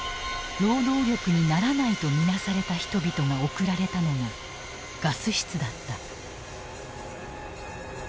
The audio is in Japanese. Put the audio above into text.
労働力にならないと見なされた人々が送られたのがガス室だった。